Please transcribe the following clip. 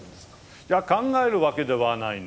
いや考えるわけではないんですね。